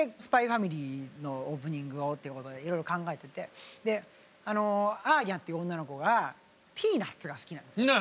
「ＳＰＹ×ＦＡＭＩＬＹ」のオープニングをっていうことでいろいろ考えててアーニャっていう女の子がピーナッツが好きなんです。